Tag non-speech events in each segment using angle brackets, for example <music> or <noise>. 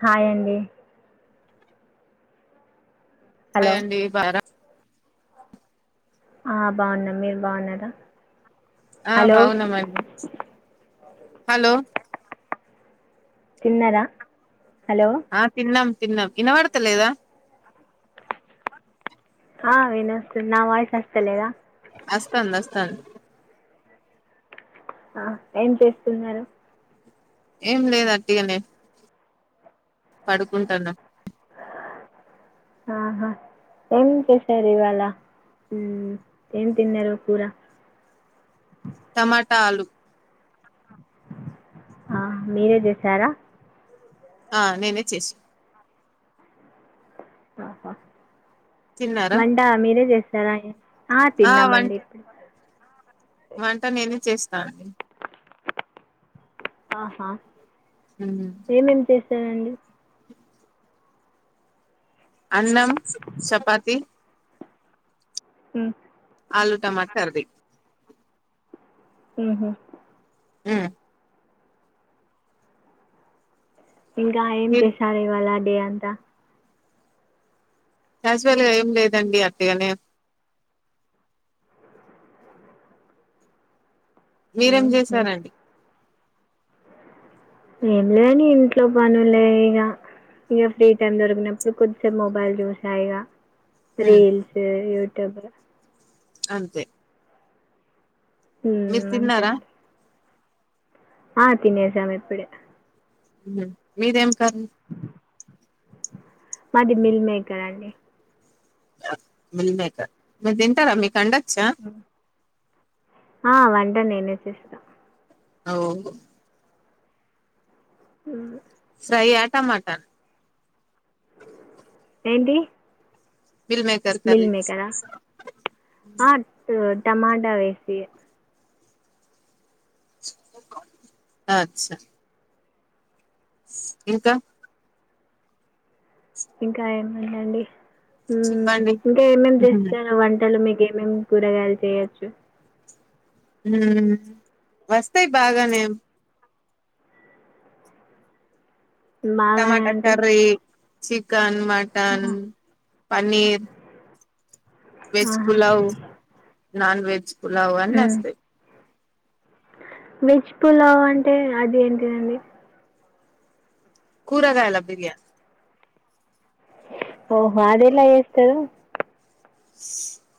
Hi అండి hi hello అండి బా ఆ బాగున్నా మీరు బాగున్నారా ఆ హలో బాగున్నామండి హలో తిన్నారా హలో ఆ తిన్నాం తిన్నాం ఇన్న పడత లేదా ఆ వినస్తుంది నా వయిస్ వస్తలద అస్తంది అస్తంది ఆ ఏం చేస్తున్నారు ఏం లేదు అట్గానే పడుకుంటాను ఆహా ఏం చేసరు ఇవళ ఉ ఏం తిన్నారు కూర టమాటా ఆలూ ఆ మీరే చేసారా ఆ నేనే చేసిన ఆహా తిన్నారా వంట మీరే చేస్తారా ఆ తిన్నామండి ఇప్పుడు వంట నేనే చేస్తా ఆహా ఏమేమి చేశారండి అన్నం చపాతి ఉ ఆలూ టమాట కర్రీ ఓహో ఆ ఇంకా ఏం మీరు చేసారు ఇవాళ డే అంతా క్యాజువల్ గా ఏం లేదండి అట్టిగనే మీరేం మ్మ్హ. చేశారండి ఏంలే అండి ఇంట్లో పనులే ఇగా ఇగా ఫ్రీ టైం దొరికినప్పుడు కొద్దిసేపు మొబైల్ చూసాయి ఇగా రీల్స్ యూట్యూబ్ అంతే ఉ మీరు అంతే తిన్నారా అండి ఆ తినేసాము ఇప్పుడే మీదేం కర్రీ మాది మిల్ మేకర్ అండి మేకర్ మీ తింటారా మీకు అడొచ్చా ఆ వంట నేనే చేస్తా అఓ ఉ ఫ్రై ఆ టమాట ఏంటి మిల్ మేకర్ మిల్ కర్రీ మేకర ఆ టమాటా వేసి అచ్చా ఇంకా ఇంకా ఏమందండి చెప్పండి ఇంకా ఏమేమి చేస్తారు వంటలు మీకు ఏమేం కూరగాయలు చేయొచ్చు ఉ వస్తాయి బాగానే బాగా టమాటా అంటే curry chicken mutton paneer veg ఆహా. పులావ్ నన్ వెజ్ పులావ్ అన్ని ఉమ్. వస్తాయి వెజ్ పులావ్ అంటే అది ఏంటిదండి కూరగాయలా బిర్యానీ ఓహో అదెలా చేస్తారు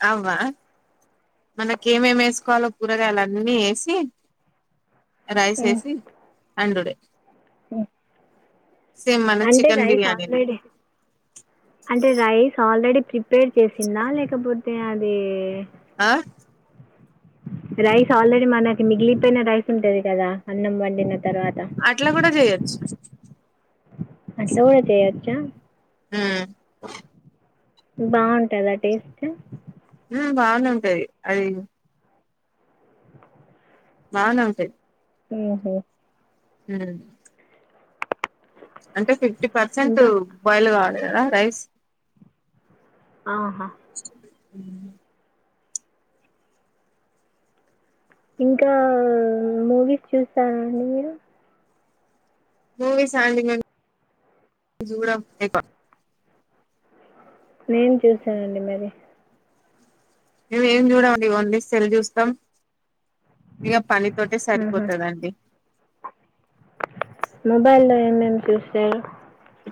అవ్వ మనకి ఏమేం వేసుకోవాలో కూరగాయలుఅన్నీ వేసి రైస్ వేసి అండుడే ఓ సేమ్ మన అంటే చికెన్ రైస్ బిర్యానీని ఆల్రెడీ అంటే రైస్ ఆల్రెడీ ప్రిపేర్ చేసిందా లేకపోతే అది ఆ రైస్ ఆల్రెడీ మనకి మిగిలిపోయిన రైస్ ఉంటది కదా అన్నం వండిన తర్వాత అట్లా కూడా చేయొచ్చు. అట్ల కూడ చేయచ్చా. ఆ బావుంటదా టేస్ట్? బానే ఉంటది అది. బానే ఉంటయి. ఉహ్ హ్ అంటే ఫిఫ్టీ పర్సెంట్ ఇంకా బాయిల్ కావాలె కదా రైస్. ఆహా అవు ఇంకా మూవీస్ చూస్తార అండి మీరు. మూవీసా అండి మేం చూడం ఎక్కువ. ఏం చూస్తారండి మరి. మేము ఏం చూడమండి ఓన్లీ సెల్ చూస్తం. ఇగ పనితోటే సరిపోతదండి. మోబైల్లో ఎం ఎం చూస్తరు.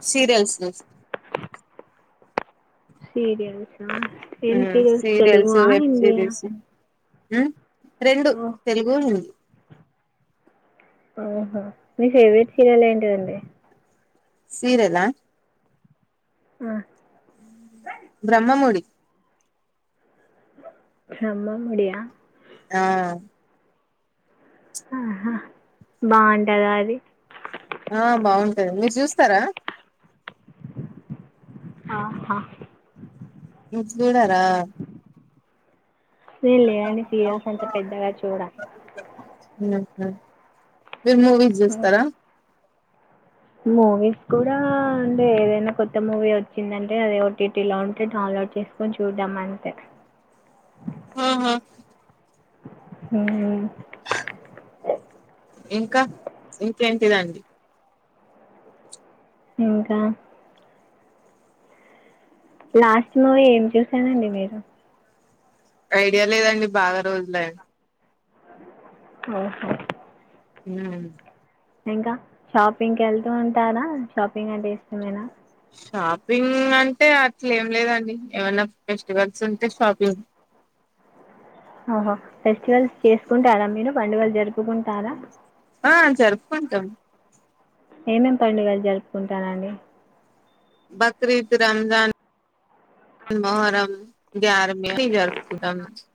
సీరియల్స్ చూస్తం. సీరియల్సా. ఏం చూస్తాం సీరియల్స్ తెలుగు ఆ హిందీ ఆ. ఉ రెండు తెలుగు, హిందీ. ఆహో. మీ ఫేవరెట్ సీరియల్ ఏంటిదండి? సీరియలా ఆ బ్రహ్మముడి బ్రహ్మముడియా. ఆ ఆహా బావుంటదా అది. ఆ బావుంటది మీరు చూస్తరా. ఆ హా మీరు చూడరా? నేను లేదండి సీరియల్స్ అంత పెద్దగా చూడను హ్ మీరు మూవీస్ చూస్తరా. మూవీస్ కూడా అంటే ఏదైనా కొత్త మూవీ వచ్చిందంటే అది ఓటీటీ లో ఉంటే డ వున్లోడ్ చేసుకొని చూడ్డం అంతే. ఆహా హ్మ్ ఇంకా ఇంకేంటిదండి. ఇంకా లాస్ట్లో ఏం చూసారండి మీరు. ఐడియా లేదండి బాగా రోజులయి ఓహో <inaudible> ఇంకా షాపింగ్కేళ్తూ ఉంటారా, షాపింగ్ అంటే ఇష్టమేనా. షాపింగ్ అంటే అట్ల ఏం లేదండి. ఏమన్నా ఫెస్టివల్స్ ఉంటే షాపింగ్. ఆహా ఫెస్టివల్స్ చేసుకుంటారా మీరు పండుగలు జరుపుకుంటారా ఆ జరుపుకుంటం ఏమేంమేం పండుగలు జరుపుకుంటారండి బక్రీద్ రంజాన్ మొహరం గ్యారమిజర్పుటం <unintelligible>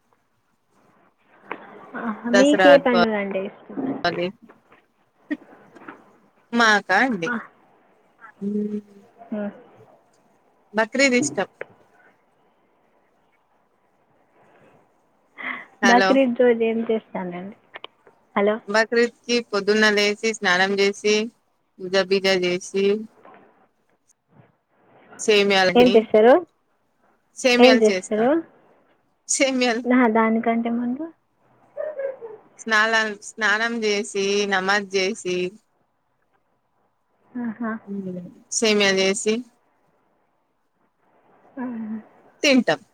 ఆహా దసరా మీకే పండుగంటే ఇష్టం దీపావళి మాకా అండి ఉం ఉం బక్రీద్ ఇష్టం హలో బక్రీద్ రోజ్ ఏం చేస్తానండి బక్రీద్ పొదున్న లేసి స్నానం చేసి పూజ బీజ చేసి <inaudible> ఏం సేమ్యాలకి చేస్తారు ఏం చేస్తారు సేమియాలు నాహ దాని కంటే ముందు స్నానల్ స్నానం చేసి నమాజ్ చేసి ఆహా, సేమ్యా చేసి ఆ హూ తింటమ్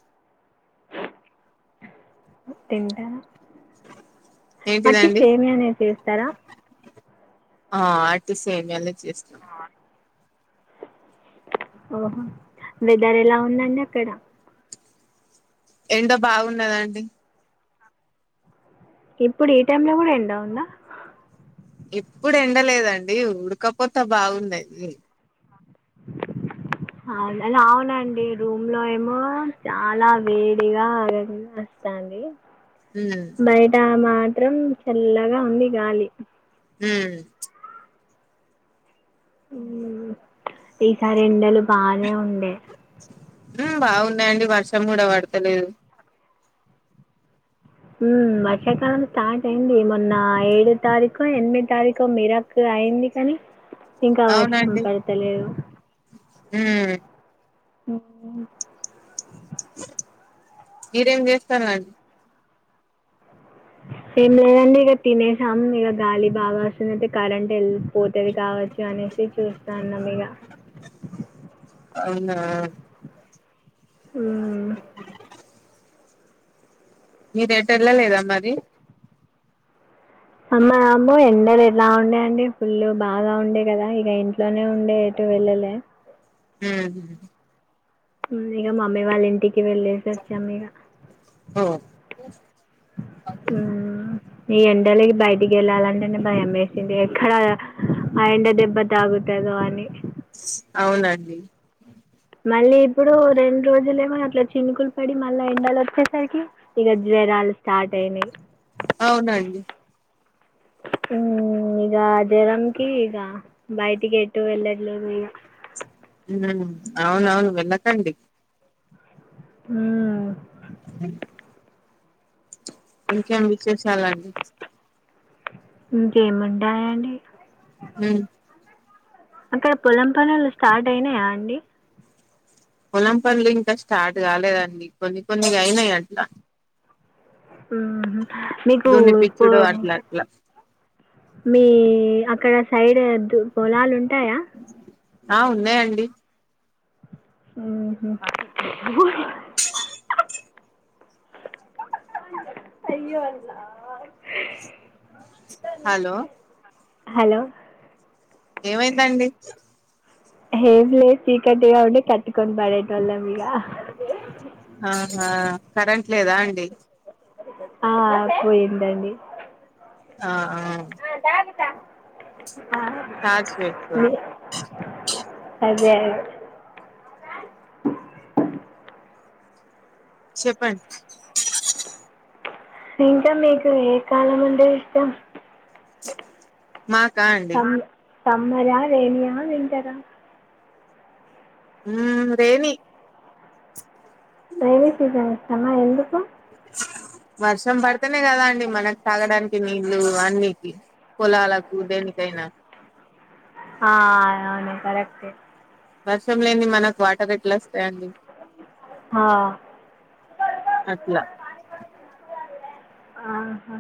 తింటరా వట్టి ఏంటిదండి సేమియానే చేస్తారా ఆ అట్టి సేమియాలే చేస్తాం ఓహో వెదర్ ఎలా ఉందండి అక్కడ ఎండ బాగున్నదండి ఇప్పుడు ఈ టైమ్ లో కూడా ఎండ వుందా ఎప్పుడు ఎండలేదండి ఉడకపోత బాగుంది లా అవునండి రూమ్ లో ఏమో చాలా వేడిగ ఉంది టాంది ఉమ్ బయట మాత్రం చల్లగా ఉంది గాలి ఉమ్ ఈసారి ఎండలు బానే ఉండే అవునండి వర్షం కూడా పడతలేదు ఉమ్ వర్షాకాలం స్టార్ట్ అయింది మొన్న ఏడో తారీకో ఎనిమిది తారీకో మిరక్క అయింది కానీ ఇంకా వర్షం అవునండి పడతలేదు ఉమ్ ఉ ఉమ్ <inaudible> మీరేం చేస్తారు ఏం లేదండి ఇగ తినేసాము ఇగ గాలి బాగా వస్తుంది కరెంట్ వెళ్పోతు తది కావచ్చు అనేసి చూస్తాన్నం ఇగ నఅవునా <unintelligible> ఉమ్ మీరు ఎటూ వెళ్ళలేదా మరి అమ్మా బాబోయ్ ఎండలు ఎట్లా ఉండేయ అండి ఫుల్లు బాగా ఉండే కదా ఇగ ఇంట్లోనే ఉండే ఎటు వెళ్లలే ఉమ్ ఉమ్ ఇక మమ్మీ వాళ్ళ ఇంటికి వెళ్ళేసి వచ్చాం ఇక ఓ ఉమ్ ఈ ఎండలకి బయటికి వెళ్ళాలంటేనే భయం వేసింది ఎక్కడ ఆ ఎండ దెబ్బ తాకుతది దొ అని అవునండి మళ్ళీ ఇప్పుడు రెండు రోజులు ఏమో అట్లా చినుకులు పడి మళ్ళ ఎండలు వచ్చేసరికి ఇక జ్వరాలి స్టార్ట్ అయినయ్ అవునండి ఉమ్ ఇక జ్వరంకి ఇక బయటికి ఎట్టు వెళ్ళట్లే ఇక ఉమ్ అవునవును వెళ్ళకండి ఉమ్ ఇంకేం విశేషాలండి ఇంకేం ఉంటాయండి ఉమ్ అక్కడ పొలం పనులు స్టార్ట్ అయినయా అండి పొలం పనులు ఇంకా స్టార్ట్ కాలేదండి కొన్ని కొన్ని అయినాయి అట్లా మీకు పో దున్నిపిచ్చుడు అట్లా అట్లా మీ అక్కడ సైడ్ దు పొలాలు ఉంటాయా ఆ ఉన్నాయండి ఉహు అయ్యో అలా హలో హలో ఏమైందండి ఏం లేదు చీకటిగా ఉండి కట్టుకొని పనిటోళ్ల ఈగ ఆహా కరెంట్ లేదా అండి ఆ పోయిందండి ఆ అ ద టార్చ్ పెట్టుకోండి వ చెప్పండి ఇంకా మీకు ఏ కాలమంట ఇష్టం మాకా అండి తమ్మరా రేణయా వింటరా ఉ రెయినీ ర్రైవీ సీజన్ ఇస్తామా ఎందుకు వర్షం పడితేనే కదా అండి మనకు తాగడానికి నీళ్లు అన్నికి పొలాలకు దేనికైనా ఆ అవును కరెక్ట్ వర్షం లేని మనకు వాటర్ ఎట్లా వస్తాయండి ఆ, అట్లా ఆహా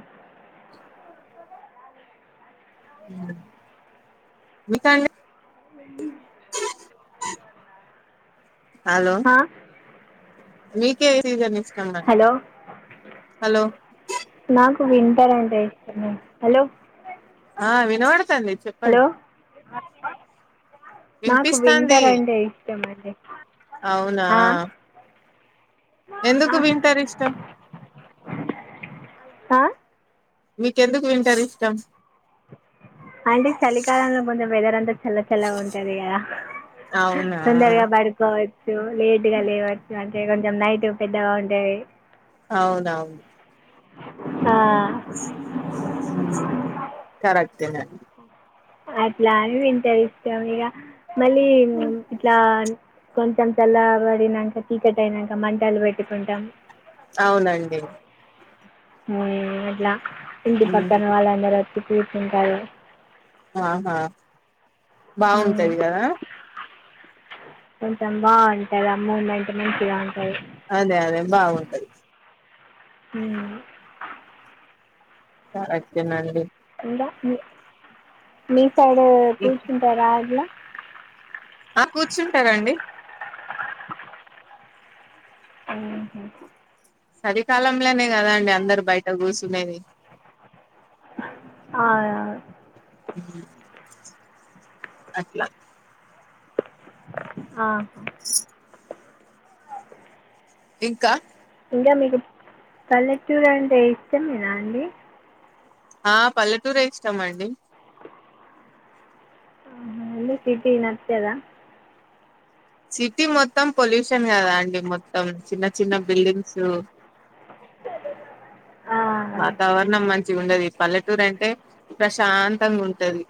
ఇంకా అండి అ హలో ఆ, మీకే సీజన్ ఇష్టమం హలో హలో నాకు వింటర్ అంటే ఇష్టమ హలో ఆ వినపడుతంది హలో చెప్పండి నాకు వినిపిస్తాంది వింటర్ అంటే ఇష్టమం అవునా ఆ, ఎందుకు వీంటర్ ఇష్టం ఆ మీకెందుకు వింటర్ ఇష్టం అంటే చలికాలంల కొంచం వెదర్ అంతా చల్ల చల్లగా ఉంటది కదా అవునా తొందరగా పడకో చ్చు లేట్గా లేవచ్చు అంటే కొంచెం నైట్ పెద్దగా ఉంటది అవునవును ఆ మ్ కరెక్టేన అట్లా అని వింటర్ ఇష్టం ఇగ మళ్ళీ ఇంట్ల కొంచెం చల్లబడినంక చీకటి అయినంక మంటలు పెట్టుకుంటాం అవునండి మ్ అట్లా ఇంటి పక్కన వాళ్ళందరొచ్చి కూర్చుంటారు ఆహా మ్, బాగుంటది కదా కొంచెం బాగుంటది ఆ మూమెంట్ మంచిగా ఉంటది అదే అదే బాగుంటది మ్ కరెక్టేనండి ఇంగ మీ మీ సైడ్ కూర్చుంటారా అట్ల ఆ కూర్చుంటారండి ఆహ చలీకాలంలోనే కదా అండి అందరు బయట కూర్చునేది అవునవును అట్లా ఆ ఇంకా ఇంకా మీకు పల్లెటూరు అంటే ఇష్టమేనా అండి ఆ పల్లెటూరే ఇస్తమండి ఎందుకు సిటీ నచ్చదా సిటీ మొత్తం పొల్యూషన్ కదా అండి మొత్తం చిన్న చిన్న బిల్డింగ్స్ ఆ వాతావరణం మంచిగా ఉండది పల్లెటూరు అంటే ప్రశాంతంగా ఉంటది